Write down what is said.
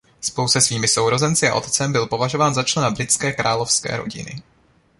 Spolu se svými sourozenci a otcem byl považován za člena britské královské rodiny.